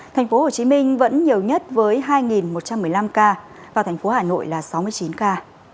thành phố hồ chí minh vẫn nhiều nhất với hai một trăm một mươi năm ca và thành phố hà nội là sáu mươi chín ca